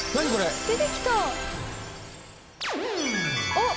あっ！